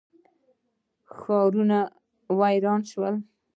ښارونه ویران شول.